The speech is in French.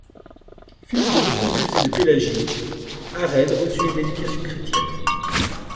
Fils de Jocondus et de Pélagie, Arède reçut une éducation chrétienne.